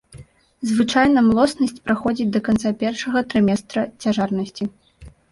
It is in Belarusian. Звычайна млоснасць праходзіць да канца першага трыместра цяжарнасці.